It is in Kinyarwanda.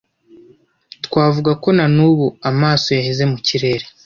twavuga ko na n’ubu amaso yaheze mu kirere